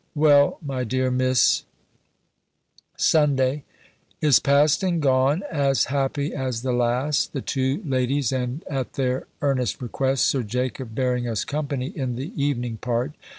Well, my dear Miss, SUNDAY Is past and gone, as happy as the last; the two ladies, and, at their earnest request, Sir Jacob bearing us company, in the evening part.